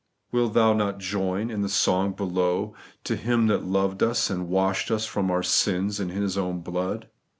Wilt thou not join in the soi^ below, ' To Him that loved ns, and washed ns from our sins in His own blood